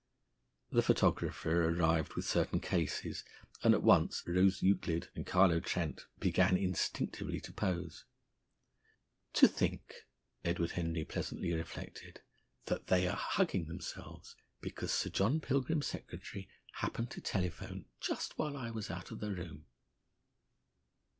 The photographer arrived with certain cases, and at once Rose Euclid and Carlo Trent began instinctively to pose. "To think," Edward Henry pleasantly reflected, "that they are hugging themselves because Sir John Pilgrim's secretary happened to telephone just while I was out of the room!"